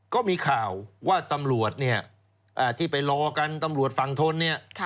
ก็มีข่าวว่าตำรวจเนี่ยที่ไปรอกันตำรวจฝั่งทนเนี่ย